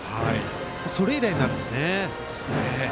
それ以来になるんですね。